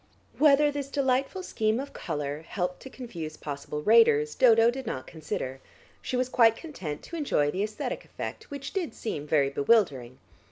Whether this delightful scheme of colour helped to confuse possible raiders, Dodo did not consider; she was quite content to enjoy the æsthetic effect, which did seem very bewildering.